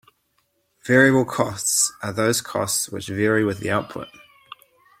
Variable costs are those costs which vary with the output.